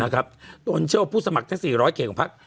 นะครับโดนเชี่ยวผู้สมัครทั้งสี่ร้อยเข่งของภักดิ์